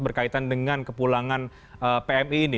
berkaitan dengan kepulangan pmi ini